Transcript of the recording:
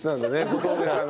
小峠さん